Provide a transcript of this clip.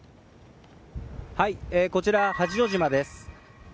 こちら、八丈島です。